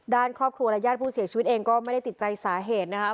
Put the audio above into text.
ด้านครอบครัวและญาติผู้เสียชีวิตเองก็ไม่ได้ติดใจสาเหตุนะคะ